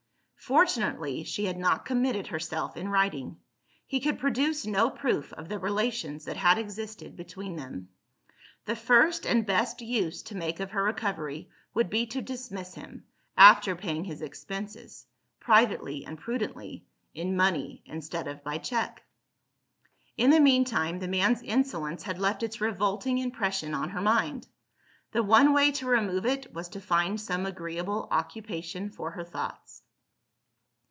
Fortunately, she had not committed herself in writing; he could produce no proof of the relations that had existed between them. The first and best use to make of her recovery would be to dismiss him after paying his expenses, privately and prudently, in money instead of by cheque. In the meantime, the man's insolence had left its revolting impression on her mind. The one way to remove it was to find some agreeable occupation for her thoughts.